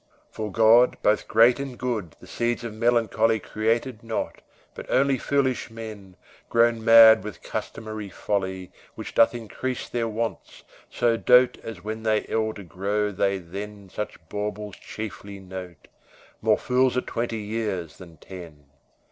For God, Both great and good, The seeds of melancholy Created not, but only foolish men, Grown mad with customary folly Which doth increase their wants, so dote As when they elder grow they then Such baubles chiefly note; More fools at twenty years than ten.